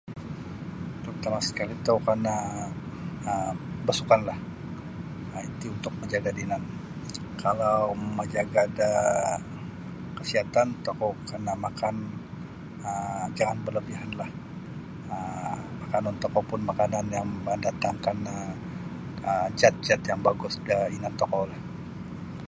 Terutama sekali' tokou kana um bersukanlah um iti untuk manjaga da inan kalau mamajaga kesihatan tokou kana makan um jangan berlebihanlah um akanun tokou pun makanan yang mendatangkan um jat-jat yang bagus da inan tokoulah.